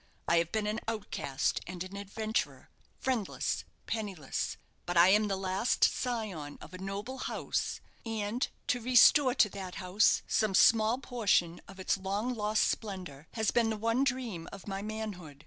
I have been an outcast and an adventurer, friendless, penniless; but I am the last scion of a noble house, and to restore to that house some small portion of its long lost splendour has been the one dream of my manhood.